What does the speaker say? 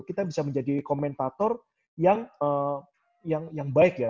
kita bisa menjadi komentator yang baik ya